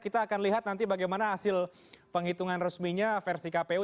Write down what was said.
kita akan lihat nanti bagaimana hasil penghitungan resminya versi kpu